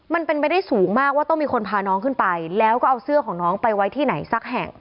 มันเป็นไปได้สูงมากว่าต้องมีคนพาน้องขึ้นไปแล้วก็เอาเสื้อของน้องไปไว้ที่ไหนสักแห่ง